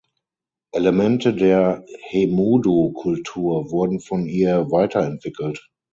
Elemente der Hemudu-Kultur wurden von ihr weiterentwickelt.